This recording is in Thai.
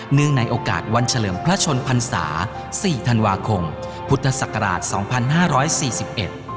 เนื่องในโอกาสวันเฉลิมพระชนพันศา๔ธันวาคมพุทธศักราช๒๕๔๑